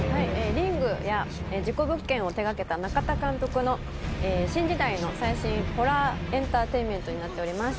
『リング』や『事故物件』を手がけた中田監督の新時代のホラーエンターテインメントとなっております。